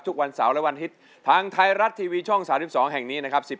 ทุกวันเสาร์และวันอาทิตย์ทางไทยรัฐทีวีช่อง๓๒แห่งนี้นะครับ